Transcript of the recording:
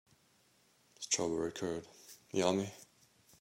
Strawberry curd, yummy!